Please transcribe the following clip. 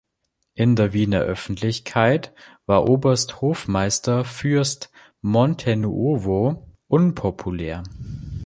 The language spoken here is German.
In der Wiener Öffentlichkeit war Obersthofmeister Fürst Montenuovo unpopulär.